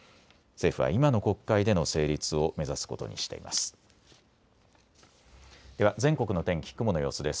政府は今の国会での成立を目指すことにしています。